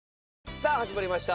さあ始まりました